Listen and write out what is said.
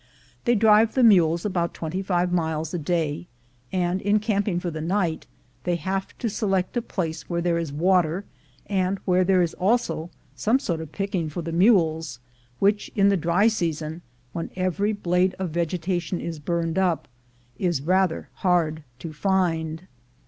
They drive the mules about twenty five miles a day; and in camping for the night, they have to select a place where there is water, and where there is also some sort of picking for the mules, which, in the dry season, when every blade of vegetation is burned up, is rather hard to find.